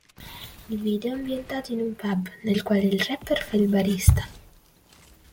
Il video è ambientato in un pub, nel quale il rapper fa il barista.